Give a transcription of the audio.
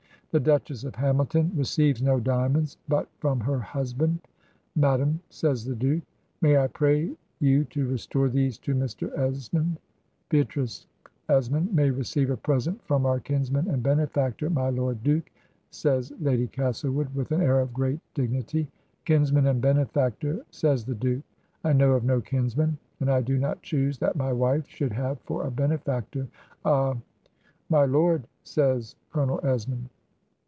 'The Duchess of Hamilton receives no diamonds but from her husband, madam,' says the Duke. ' May I pray you to restore these to Mr. Esmond?' 'Beatrix Esmond may receive a present from our kinsman and benefactor, my Lord Duke,' say^ Lady Castlewood, with an air of great dignity. ...' Kinsman and benefactor,' says the Duke. ' I know of no kinsman: and I do not choose that my wife should have for a benefactor a —' 'My lord I' says Colonel Esmond.